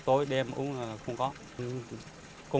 đố em hãy cho